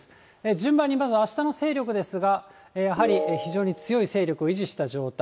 順番にまず、あしたの勢力ですが、やはり非常に強い勢力を維持した状態。